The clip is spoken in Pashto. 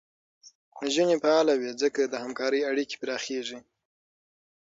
نجونې فعاله وي، ځکه د همکارۍ اړیکې پراخېږي.